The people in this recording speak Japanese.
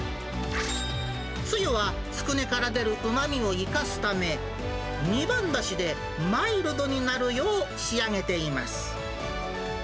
つゆは、つくねから出るうまみを生かすため、二番だしでマイルドになるよう仕上げています。